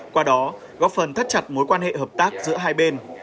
qua đó góp phần thắt chặt mối quan hệ hợp tác giữa hai bên